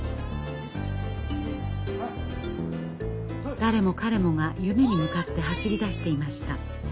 誰も彼もが夢に向かって走り出していました。